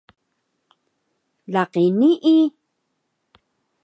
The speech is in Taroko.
laqi nii?